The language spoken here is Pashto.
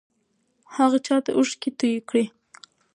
هغه چا ته اوښکې توې کړې؟